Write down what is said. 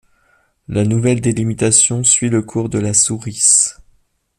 La nouvelle délimitation suit le cours de la Sourice.